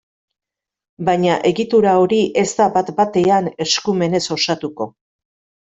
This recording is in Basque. Baina, egitura hori ez da bat-batean eskumenez osatuko.